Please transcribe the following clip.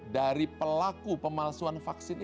dari pelaku pemalsuan vaksin